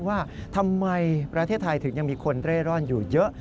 ว่าทำไมประเทศไทยถึงยังมีคนเร่ร่อนอยู่เยอะ